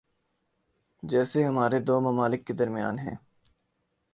جیسے ہمارے دو ممالک کے درمیان ہیں۔